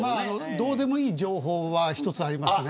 どうでもいい情報は一つあります。